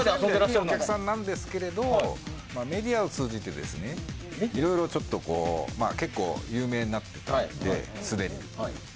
いいお客さんなんですけどメディアを通じて結構、有名になってたのですでに。